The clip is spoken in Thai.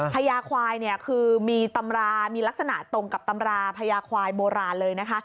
พญาควายเนี่ยคือมีตำรามีลักษณะตรงกับตำราพญาควายโบราณเลยนะคะ